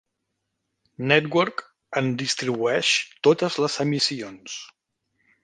Network en distribueix totes les emissions.